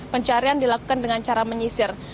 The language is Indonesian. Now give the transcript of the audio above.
pencarian dilakukan dengan cara menyisir